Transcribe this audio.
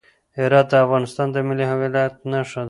هرات د افغانستان د ملي هویت نښه ده.